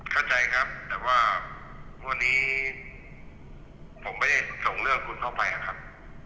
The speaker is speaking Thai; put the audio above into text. เข้าใจครับแต่ว่าวันนี้ผมไม่ได้ส่งเรื่องคุณเข้าไปครับ